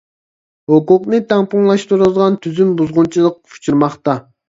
ھوقۇقنى تەڭپۇڭلاشتۇرىدىغان تۈزۈم بۇزغۇنچىلىققا ئۇچرىماقتا.